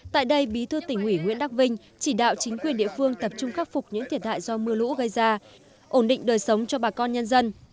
tại đây bí thư tỉnh ủy nguyễn đắc vinh chỉ đạo chính quyền địa phương tập trung khắc phục những thiệt hại do mưa lũ gây ra ổn định đời sống cho bà con nhân dân